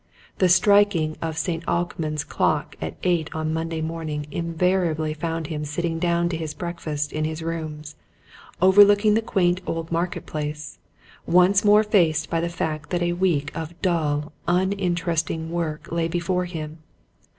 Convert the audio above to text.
The striking of St. Alkmund's clock at eight on Monday morning invariably found him sitting down to his breakfast in his rooms, overlooking the quaint old Market Place, once more faced by the fact that a week of dull, uninteresting work lay before him.